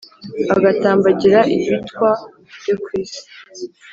agatambagira ibitwa byo ku isi.